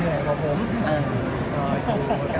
มีโครงการทุกทีใช่ไหม